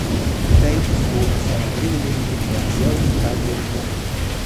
Bate estuvo casada brevemente con George Thalben-Ball.